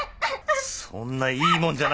そんないいもんじゃないだろう